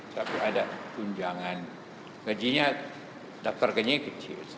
tapi ada tunjangan gajinya daftar gajinya kecil